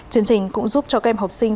chương trình cũng giúp cho các em học sinh